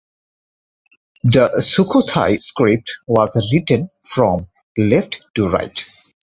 The Sukhothai script was written from left to right.